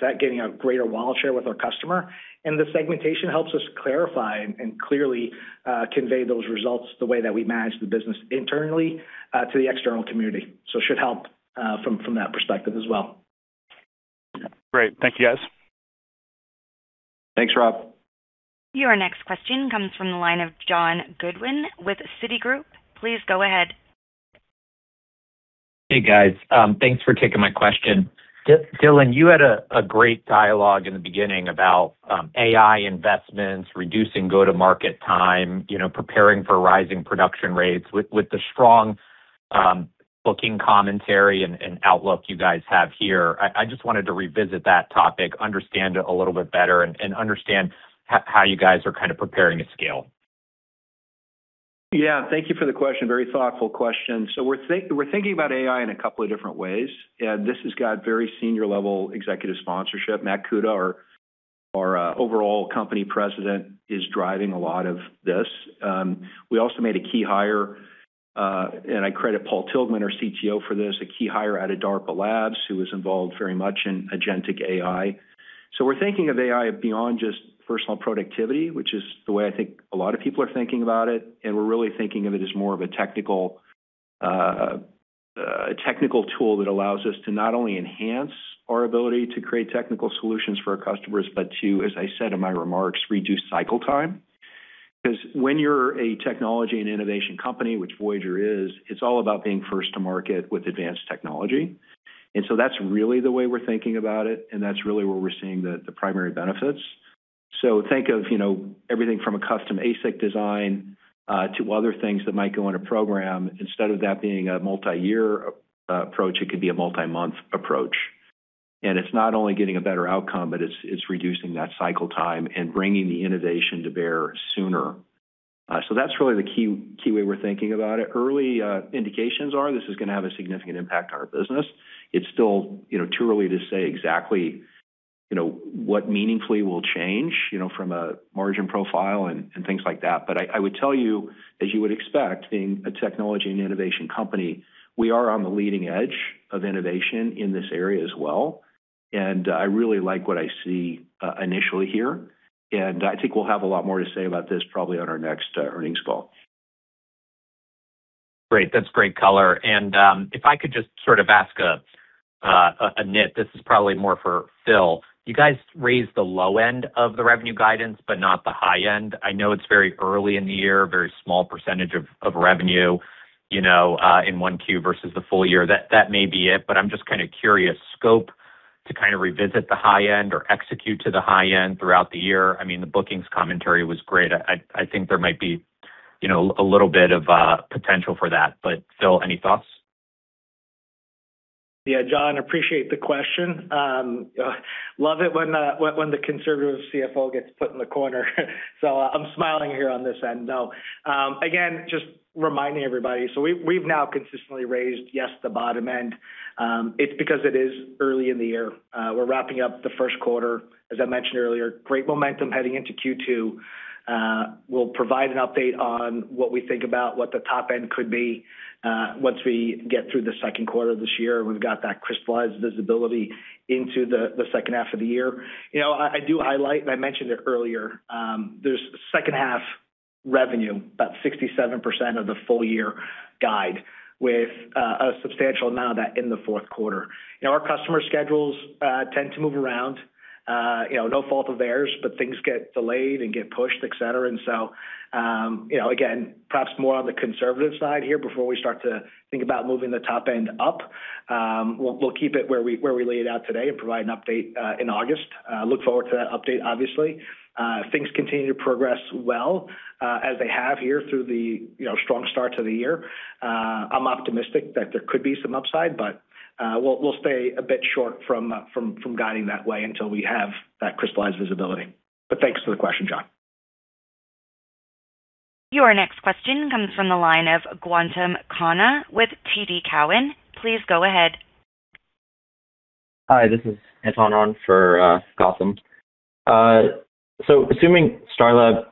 set, getting a greater wallet share with our customer. The segmentation helps us clarify and clearly convey those results the way that we manage the business internally to the external community. It should help from that perspective as well. Great. Thank you, guys. Thanks, Rob. Your next question comes from the line of John Goodwin with Citigroup. Please go ahead. Hey, guys. Thanks for taking my question. Dylan, you had a great dialogue in the beginning about AI investments, reducing go-to-market time, you know, preparing for rising production rates. With the strong booking commentary and outlook you guys have here, I just wanted to revisit that topic, understand it a little bit better, and understand how you guys are kinda preparing to scale. Yeah. Thank you for the question. Very thoughtful question. We're thinking about AI in a two different ways, and this has got very senior level executive sponsorship. Matthew J. Kuta, our overall company President is driving a lot of this. We also made a key hire, and I credit Paul Tilghman, our CTO, for this, a key hire out of, who was involved very much in agentic AI. We're thinking of AI beyond just personal productivity, which is the way I think a lot of people are thinking about it, and we're really thinking of it as more of a technical tool that allows us to not only enhance our ability to create technical solutions for our customers, but to, as I said in my remarks, reduce cycle time. Cause when you're a technology and innovation company, which Voyager is, it's all about being first to market with advanced technology. That's really the way we're thinking about it, and that's really where we're seeing the primary benefits. Think of, you know, everything from a custom ASIC design to other things that might go in a program. Instead of that being a multi-year approach, it could be a multi-month approach. It's not only getting a better outcome, but it's reducing that cycle time and bringing the innovation to bear sooner. That's really the key way we're thinking about it. Early indications are this is gonna have a significant impact on our business. It's still, you know, too early to say exactly, you know, what meaningfully will change, you know, from a margin profile and things like that. I would tell you, as you would expect being a technology and innovation company, we are on the leading edge of innovation in this area as well, and I really like what I see, initially here. I think we'll have a lot more to say about this probably on our next earnings call. Great. That's great color. If I could just sort of ask a nit. This is probably more for Phil. You guys raised the low end of the revenue guidance but not the high end. I know it's very early in the year, very small percentage of revenue, you know, in 1Q versus the full year. That may be it, but I'm just kinda curious. Scope to kind of revisit the high end or execute to the high end throughout the year. I mean, the bookings commentary was great. I think there might be, you know, a little bit of potential for that. Phil, any thoughts? Yeah. John, appreciate the question. love it when the conservative CFO gets put in the corner. I'm smiling here on this end. No. Again, just reminding everybody, we've now consistently raised, yes, the bottom end. It's because it is early in the year. We're wrapping up the first quarter. As I mentioned earlier, great momentum heading into Q2. We'll provide an update on what we think about what the top end could be once we get through the second quarter this year and we've got that crystallized visibility into the second half of the year. You know, I do highlight, and I mentioned it earlier, there's second half revenue, about 67% of the full year guide with a substantial amount of that in the fourth quarter. You know, our customer schedules tend to move around. You know, no fault of theirs, but things get delayed and get pushed, et cetera. You know, again, perhaps more on the conservative side here before we start to think about moving the top end up. We'll keep it where we laid out today and provide an update in August. Look forward to that update, obviously. Things continue to progress well as they have here through the, you know, strong start to the year. I'm optimistic that there could be some upside, but we'll stay a bit short from guiding that way until we have that crystallized visibility. Thanks for the question, John. Your next question comes from the line of Gautam Khanna with TD Cowen. Please go ahead. Hi. This is Anton on for Gautam. Assuming Starlab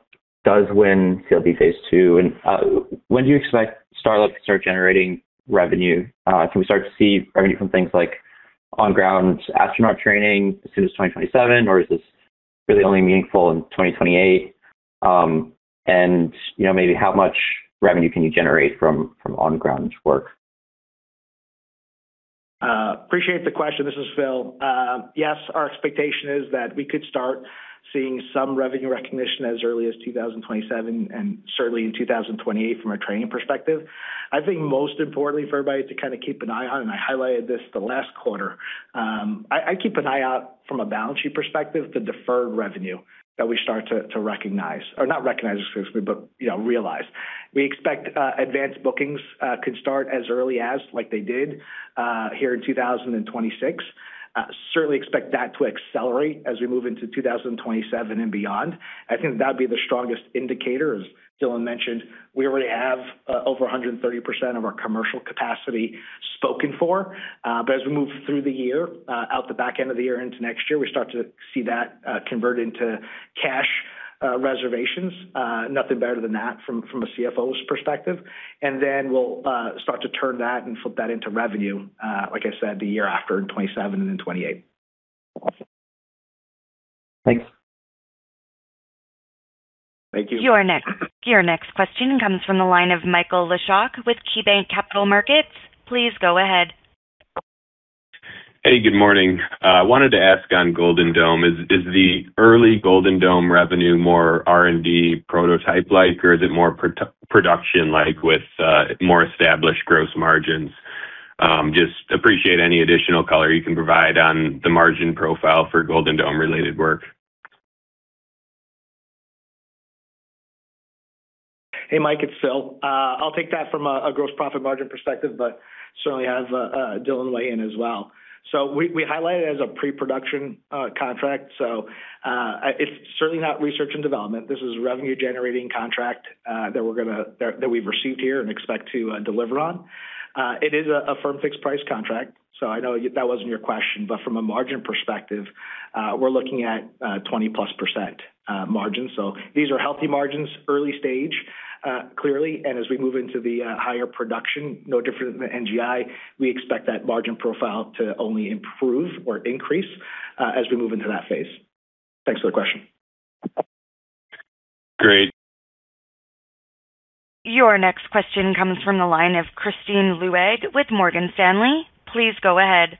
does win CLD phase two, and when do you expect Starlab to start generating revenue? Can we start to see revenue from things like on-ground astronaut training as soon as 2027, or is this really only meaningful in 2028? And, you know, maybe how much revenue can you generate from on-ground work? Appreciate the question. This is Phil. Yes, our expectation is that we could start seeing some revenue recognition as early as 2027, and certainly in 2028 from a training perspective. I think most importantly for everybody to kinda keep an eye on, and I highlighted this the last quarter, I keep an eye out from a balance sheet perspective the deferred revenue that we start to recognize, or not recognize specifically, but, you know, realize. We expect advanced bookings could start as early as, like they did, here in 2026. Certainly expect that to accelerate as we move into 2027 and beyond. I think that'd be the strongest indicator. As Dylan mentioned, we already have over 130% of our commercial capacity spoken for. As we move through the year, out the back end of the year into next year, we start to see that convert into cash reservations. Nothing better than that from a CFO's perspective. We'll start to turn that and flip that into revenue, like I said, the year after in 2027 and in 2028. Awesome. Thanks. Your next question comes from the line of Michael Leshock with KeyBanc Capital Markets. Please go ahead. Hey, good morning. Wanted to ask on Golden Dome. Is the early Golden Dome revenue more R&D prototype-like, or is it more pro-production-like with more established gross margins? Just appreciate any additional color you can provide on the margin profile for Golden Dome-related work. Hey, Michael, it's Phil. I'll take that from a gross profit margin perspective, but certainly have Dylan weigh in as well. We highlight it as a pre-production contract, it's certainly not research and development. This is revenue-generating contract that we've received here and expect to deliver on. It is a firm fixed price contract, I know that wasn't your question. From a margin perspective, we're looking at 20-plus percent margin. These are healthy margins, early stage, clearly. As we move into the higher production, no different than NGI, we expect that margin profile to only improve or increase as we move into that phase. Thanks for the question. Great. Your next question comes from the line of Kristine Liwag with Morgan Stanley. Please go ahead.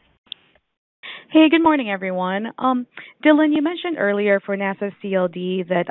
Hey, good morning, everyone. Dylan, you mentioned earlier for NASA CLD that,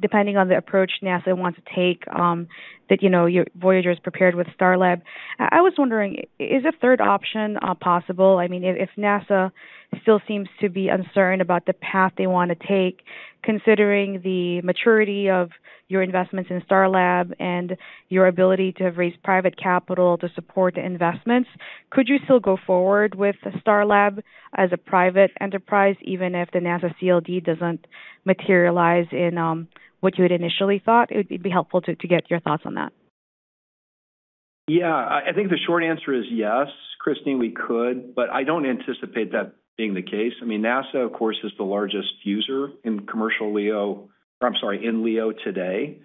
depending on the approach NASA wants to take, that, you know, Voyager's prepared with Starlab. I was wondering, is a third option possible? I mean, if NASA still seems to be uncertain about the path they wanna take, considering the maturity of your investments in Starlab and your ability to have raised private capital to support the investments, could you still go forward with Starlab as a private enterprise, even if the NASA CLD doesn't materialize in what you had initially thought? It'd be helpful to get your thoughts on that. I think the short answer is yes, Kristine, we could, but I don't anticipate that being the case. I mean, NASA, of course, is the largest user in commercial LEO today.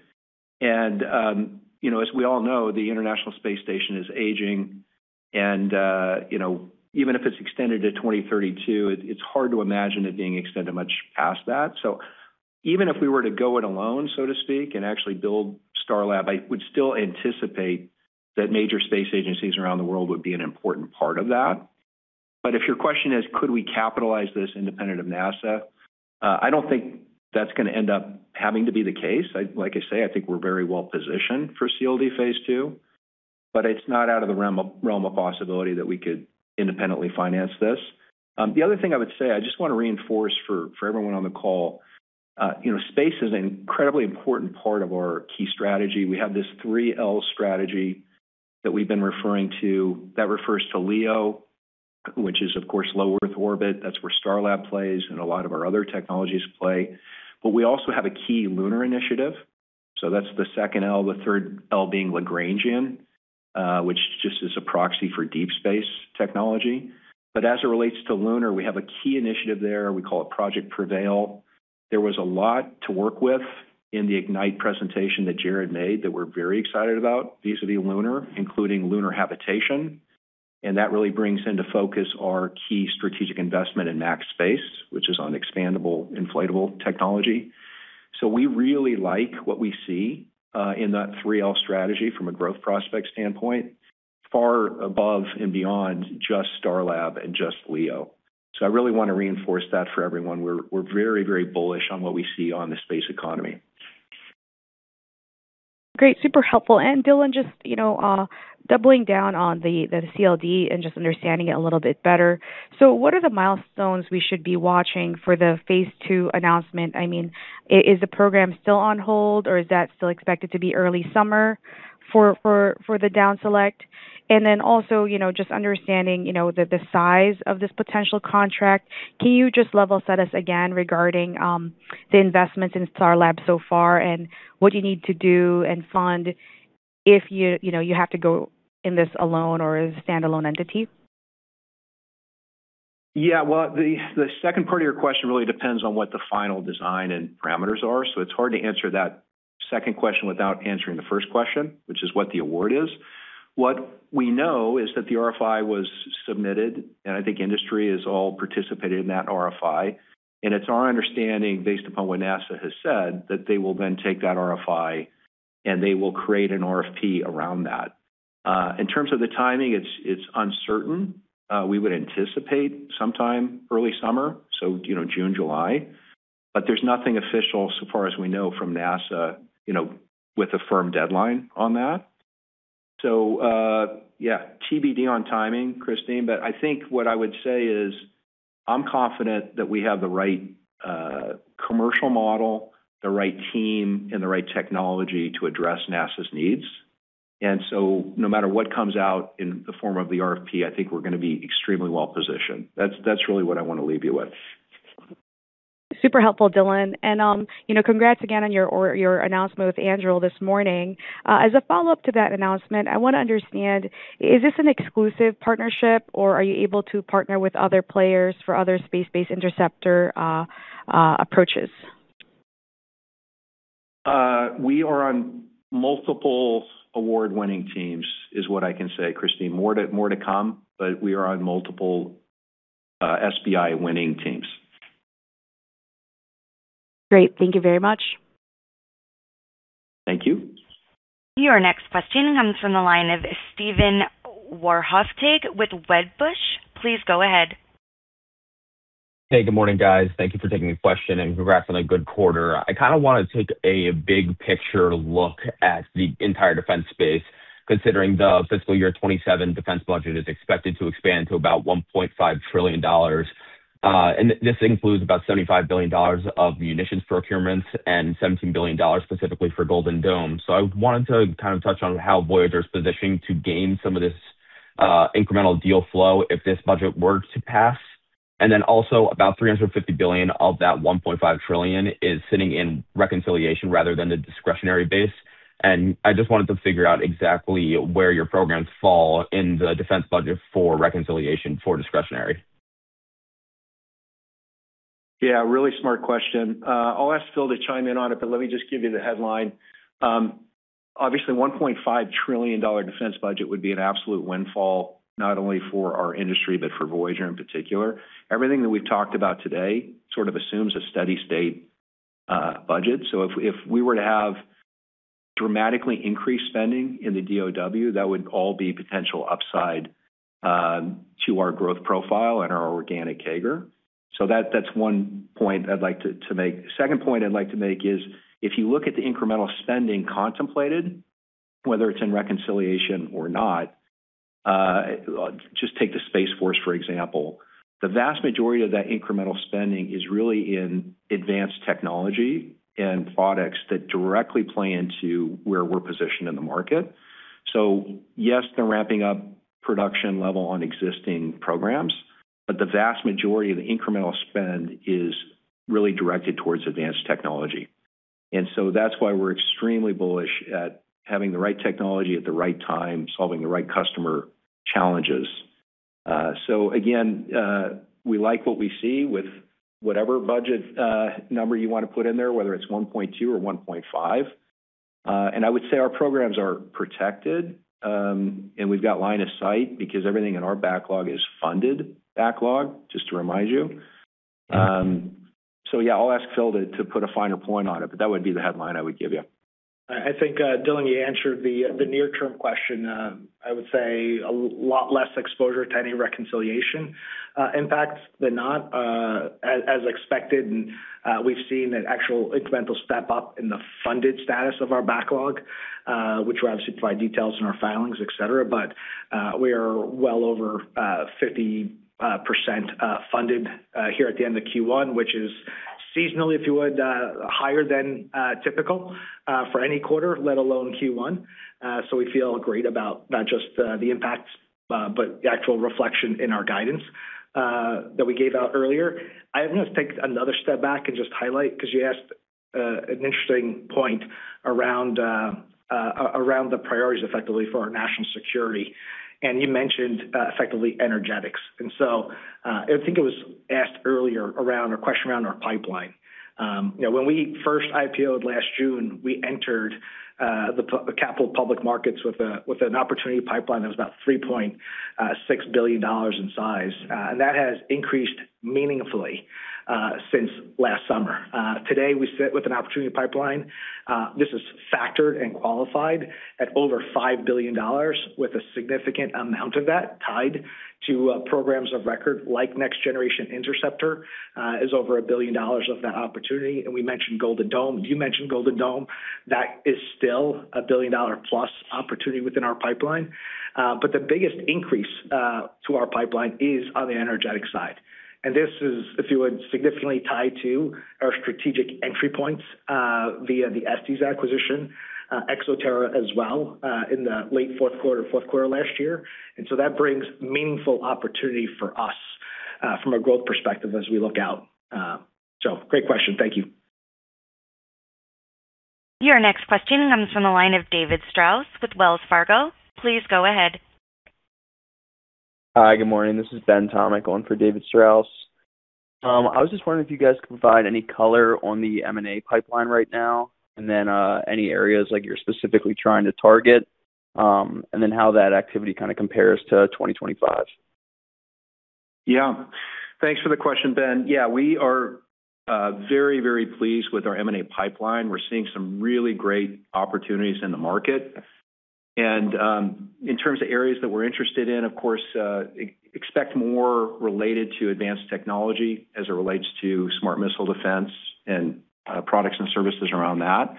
You know, as we all know, the International Space Station is aging and, you know, even if it's extended to 2032, it's hard to imagine it being extended much past that. Even if we were to go it alone, so to speak, and actually build Starlab, I would still anticipate that major space agencies around the world would be an important part of that. If your question is could we capitalize this independent of NASA, I don't think that's gonna end up having to be the case. Like I say, I think we're very well positioned for CLD phase II, but it's not out of the realm of possibility that we could independently finance this. The other thing I would say, I just wanna reinforce for everyone on the call, you know, space is an incredibly important part of our key strategy. We have this 3 L strategy that we've been referring to. That refers to LEO, which is, of course, Low Earth Orbit. That's where Starlab plays and a lot of our other technologies play. We also have a key lunar initiative, so that's the 2nd L, the 3rd L being Lagrangian, which just is a proxy for deep space technology. As it relates to Lunar, we have a key initiative there. We call it Project Prevail. There was a lot to work with in the Ignite presentation that Jared Isaacman made that we're very excited about vis-a-vis lunar, including lunar habitation, and that really brings into focus our key strategic investment in Max Space, which is on expandable inflatable technology. We really like what we see in that 3 L strategy from a growth prospect standpoint, far above and beyond just Starlab and just LEO. I really wanna reinforce that for everyone. We're very, very bullish on what we see on the space economy. Great. Super helpful. Dylan, just, you know, doubling down on the CLD and just understanding it a little bit better. What are the milestones we should be watching for the phase 2 announcement? I mean, is the program still on hold, or is that still expected to be early summer for the down select? Also, you know, just understanding, you know, the size of this potential contract. Can you just level set us again regarding the investments in Starlab so far and what you need to do and fund if you know, you have to go in this alone or as a standalone entity? Well, the second part of your question really depends on what the final design and parameters are, so it's hard to answer that second question without answering the first question, which is what the award is. What we know is that the RFI was submitted, and I think industry has all participated in that RFI. It's our understanding, based upon what NASA has said, that they will then take that RFI, and they will create an RFP around that. In terms of the timing, it's uncertain. We would anticipate sometime early summer, so, you know, June, July. There's nothing official so far as we know from NASA, you know, with a firm deadline on that. Yeah, TBD on timing, Kristine, but I think what I would say is I'm confident that we have the right commercial model, the right team, and the right technology to address NASA's needs. No matter what comes out in the form of the RFP, I think we're going to be extremely well positioned. That's really what I want to leave you with. Super helpful, Dylan. you know, congrats again on your, or your announcement with Anduril this morning. As a follow-up to that announcement, I wanna understand, is this an exclusive partnership, or are you able to partner with other players for other space-based interceptor approaches? We are on multiple award-winning teams is what I can say, Kristine. More to come, but we are on multiple SBI winning teams. Great. Thank you very much. Thank you. Your next question comes from the line of Steven Wahrhaftig with Wedbush Securities. Please go ahead. Hey, good morning, guys. Thank you for taking the question, and congrats on a good quarter. I kinda wanna take a big picture look at the entire defense space, considering the fiscal year 2027 defense budget is expected to expand to about $1.5 trillion. This includes about $75 billion of munitions procurements and $17 billion specifically for Golden Dome. I wanted to kind of touch on how Voyager's positioning to gain some of this incremental deal flow if this budget were to pass. Then also about $350 billion of that $1.5 trillion is sitting in reconciliation rather than the discretionary base. I just wanted to figure out exactly where your programs fall in the defense budget for reconciliation for discretionary. Really smart question. I'll ask Phil to chime in on it, but let me just give you the headline. Obviously, $1.5 trillion defense budget would be an absolute windfall, not only for our industry but for Voyager in particular. Everything that we've talked about today sort of assumes a steady state budget. If we were to have dramatically increased spending in the DOD, that would all be potential upside to our growth profile and our organic CAGR. That's one point I'd like to make. Second point I'd like to make is, if you look at the incremental spending contemplated, whether it's in reconciliation or not, just take the Space Force, for example. The vast majority of that incremental spending is really in advanced technology and products that directly play into where we're positioned in the market. Yes, they're ramping up production level on existing programs, but the vast majority of the incremental spend is really directed towards advanced technology. That's why we're extremely bullish at having the right technology at the right time, solving the right customer challenges. Again, we like what we see with whatever budget number you wanna put in there, whether it's $1.2 or $1.5. I would say our programs are protected, and we've got line of sight because everything in our backlog is funded backlog, just to remind you. Yeah, I'll ask Phil to put a finer point on it, but that would be the headline I would give you. I think, Dylan, you answered the near term question. I would say a lot less exposure to any reconciliation impacts than not. As expected, we've seen an actual incremental step up in the funded status of our backlog, which we obviously provide details in our filings, et cetera. We are well over 50% funded here at the end of Q1, which is seasonally, if you would, higher than typical for any quarter, let alone Q1. We feel great about not just the impacts, but the actual reflection in our guidance that we gave out earlier. I'm gonna take another step back and just highlight, 'cause you asked an interesting point around around the priorities effectively for our national security. You mentioned effectively energetics. I think it was asked earlier a question around our pipeline. You know, when we first IPO'd last June, we entered the capital public markets with an opportunity pipeline that was about $3.6 billion in size. That has increased meaningfully since last summer. Today, we sit with an opportunity pipeline, this is factored and qualified at over $5 billion with a significant amount of that tied to programs of record like Next Generation Interceptor, is over $1 billion of that opportunity. We mentioned Golden Dome. You mentioned Golden Dome. That is still a $1 billion-plus opportunity within our pipeline. The biggest increase to our pipeline is on the energetic side. This is, if you would, significantly tied to our strategic entry points, via the EMSI acquisition, ExoTerra as well, in the late fourth quarter last year. That brings meaningful opportunity for us, from a growth perspective as we look out. Great question. Thank you. Your next question comes from the line of David Strauss with Wells Fargo. Please go ahead. Hi, good morning. This is Ben Tomik going for David Strauss. I was just wondering if you guys can provide any color on the M&A pipeline right now, and then any areas like you're specifically trying to target, and then how that activity kind of compares to 2025. Thanks for the question, Ben. We are very pleased with our M&A pipeline. We're seeing some really great opportunities in the market. In terms of areas that we're interested in, of course, expect more related to advanced technology as it relates to smart missile defense and products and services around that.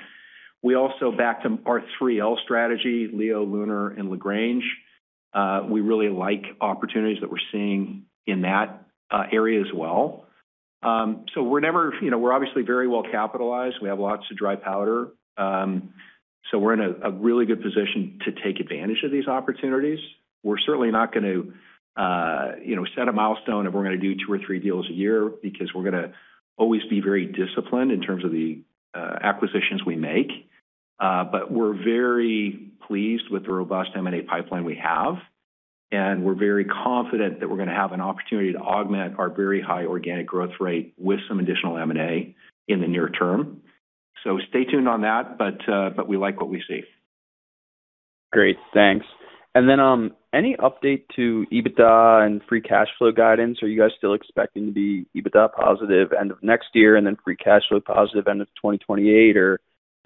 We also back to our 3L strategy, LEO, Lunar, and Lagrange. We really like opportunities that we're seeing in that area as well. We're never, you know, we're obviously very well capitalized. We have lots of dry powder. We're in a really good position to take advantage of these opportunities. We're certainly not gonna, you know, set a milestone if we're gonna do two or three deals a year because we're gonna always be very disciplined in terms of the acquisitions we make. We're very pleased with the robust M&A pipeline we have, and we're very confident that we're gonna have an opportunity to augment our very high organic growth rate with some additional M&A in the near term. Stay tuned on that, but we like what we see. Great. Thanks. Any update to EBITDA and free cash flow guidance? Are you guys still expecting to be EBITDA positive end of next year and then free cash flow positive end of 2028? Do you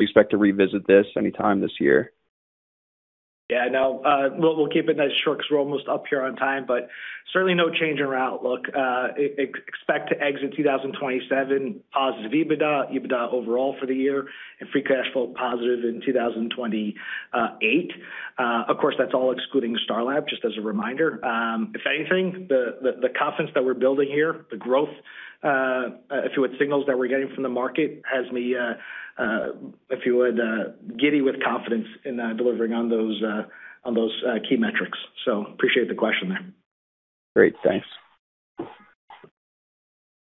expect to revisit this anytime this year? We'll keep it nice and short because we're almost up here on time. Certainly no change in our outlook. Expect to exit 2027 positive EBITDA overall for the year, and free cash flow positive in 2028. Of course, that's all excluding Starlab, just as a reminder. If anything, the confidence that we're building here, the growth, if you would, signals that we're getting from the market has me, if you would, giddy with confidence in delivering on those key metrics. Appreciate the question there. Great. Thanks.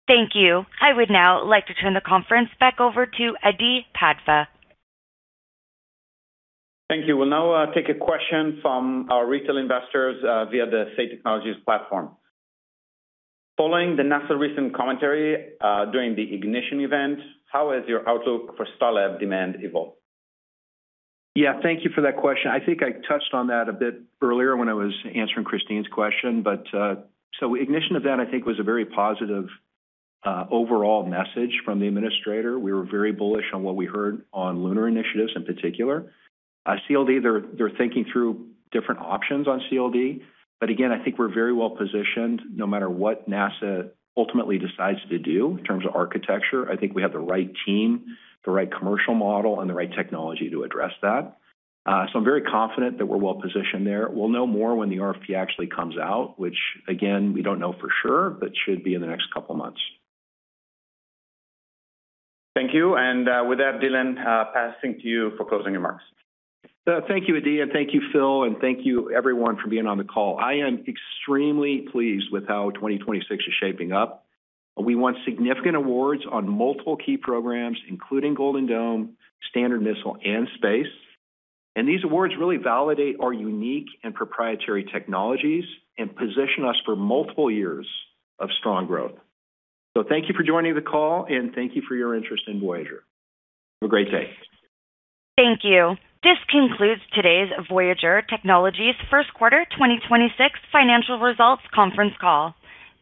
Thank you. I would now like to turn the conference back over to Adi Padva. Thank you. We'll now take a question from our retail investors via the Say Technologies platform. Following the NASA recent commentary during the ignition event, how has your outlook for Starlab demand evolved? Yeah, thank you for that question. I think I touched on that a bit earlier when I was answering Kristine's question. Ignition event I think was a very positive overall message from the administrator. We were very bullish on what we heard on lunar initiatives in particular. CLD, they're thinking through different options on CLD. Again, I think we're very well-positioned no matter what NASA ultimately decides to do in terms of architecture. I think we have the right team, the right commercial model, and the right technology to address that. I'm very confident that we're well-positioned there. We'll know more when the RFP actually comes out, which again, we don't know for sure, but should be in the next couple of months. Thank you. With that, Dylan, passing to you for closing remarks. Thank you, Adi, and thank you, Phil, and thank you everyone for being on the call. I am extremely pleased with how 2026 is shaping up. We won significant awards on multiple key programs, including Golden Dome, Standard Missile, and Space. These awards really validate our unique and proprietary technologies and position us for multiple years of strong growth. Thank you for joining the call, and thank you for your interest in Voyager. Have a great day. Thank you. This concludes today's Voyager Technologies first quarter 2026 financial results conference call.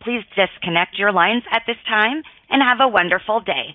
Please disconnect your lines at this time, and have a wonderful day.